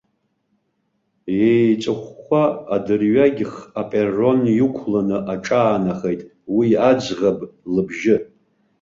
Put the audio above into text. Иеиҵыхәхәа, адырҩегьх аперрон иқәланы аҿаанахеит уи аӡӷаб лыбжьы.